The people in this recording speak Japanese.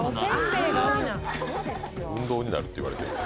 「運動になる」って言われてる。